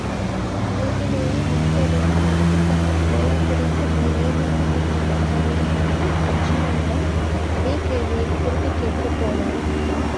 இயல்பிலேயே முன்கோபமும் முரட்டுத்தனமும், போதாக் குறைக்கு நேர்மையும் கொண்ட தண்டாயுதபாணி, அர்ச்சுனனிடம், அதே கேள்வியைத் திருப்பிக் கேட்கப் போனான்.